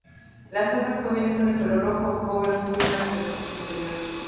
Las hojas jóvenes son de color rojo cobre oscuro en la superficie superior.